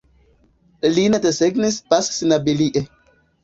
Lin desegnis Bas Snabilie.